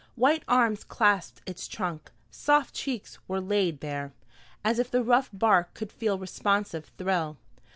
White arms clasped its trunk, soft cheeks were laid there, as if the rough bark could feel responsive thrill.